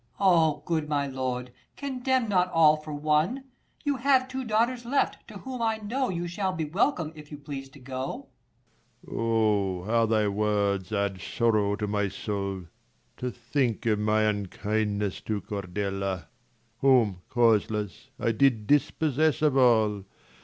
90 Ah, good my lord, condemn not all for one :[ You have two daughters left, to whom I know You shall be welcome, if you please to go. J Leir. Oh, how thy words add sorrow to my soul, To think of "j^.unXLQdn^jj^jCojrdel|a ! 95 Whom causeless I did dispossess of all.